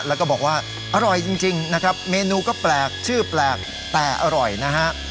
แล้วก็บอกว่าอร่อยจริงนะครับเมนูก็แปลกชื่อแปลกแต่อร่อยนะฮะ